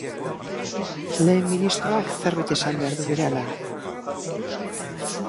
Lehen ministroak zerbait esan behar du berehala.